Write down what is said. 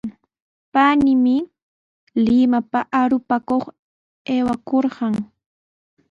Paniimi Limapa arupakuq aywakurqan.